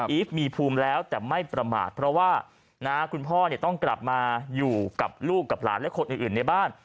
ีฟมีภูมิแล้วแต่ไม่ประมาทเพราะว่าคุณพ่อต้องกลับมาอยู่กับลูกกับหลานและคนอื่นในบ้าน